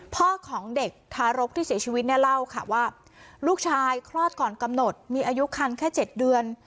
พ่อของเด็กทารกที่เสียชีวิตเนี่ยเล่าค่ะว่าลูกชายคลอดก่อนกำหนดมีอายุคันแค่๗เดือน